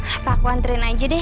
apa aku anterin aja deh